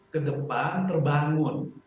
ke depan terbangun